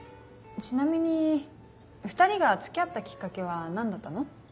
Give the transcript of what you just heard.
ちなみに２人が付き合ったきっかけは何だったの？